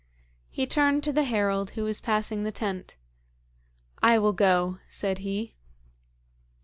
He turned to the herald who was passing the tent: 'I will go,' said he.